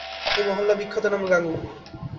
এই মহল্লার বিখ্যাত নাম গাঙু!